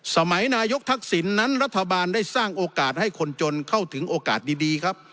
สมัยนายกทักษิณนั้นรัฐบาลได้สร้างโอกาสให้คนจนเข้าถึงโอกาสดีครับ